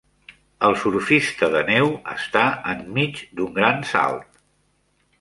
El surfista de neu està enmig d'un gran salt